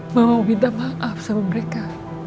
mau minta maaf sama mereka